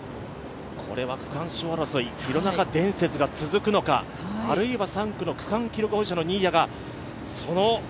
これは区間賞争い、廣中伝説が続くのか、あるいは３区の区間記録保持者の新谷か。